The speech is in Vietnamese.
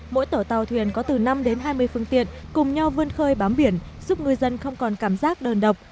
mỗi tổ tàu thuyền có từ năm đến hai mươi phương tiện cùng nhau vươn khơi bám biển giúp ngư dân không còn cảm giác đơn độc